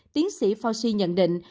tiến sĩ fauci nhận định